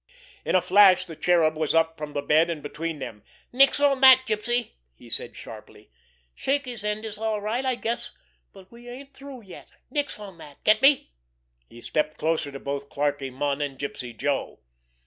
In a flash the Cherub was up from the bed, and between them. "Nix on dat, Gypsy!" he said sharply. "Shaky's end is all right, I guess; but we ain't through yet. Nix on dat—get me!" He stepped closer to both Clarkie Munn and Gypsy Joe.